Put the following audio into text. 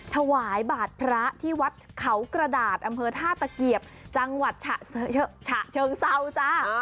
ถวายบาทพระที่วัดเขากระดาษอำเภอท่าตะเกียบจังหวัดฉะเชิงเศร้าจ้า